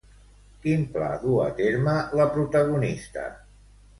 Quin pla duu a terme la protagonista?